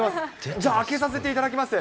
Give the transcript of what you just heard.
じゃあ開けさせていただきます。